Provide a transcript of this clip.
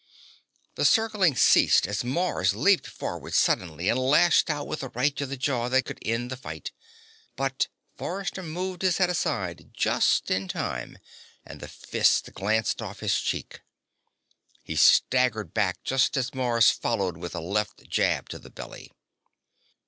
The circling ceased as Mars leaped forward suddenly and lashed out with a right to the jaw that could end the fight. But Forrester moved his head aside just in time and the fist glanced off his cheek. He staggered back just as Mars followed with a left jab to the belly.